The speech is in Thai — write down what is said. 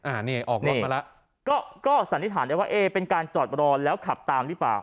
อันนี้ออกรถมาแล้วก็ก็สันนิษฐานได้ว่าเอ๊เป็นการจอดรอแล้วขับตามหรือเปล่า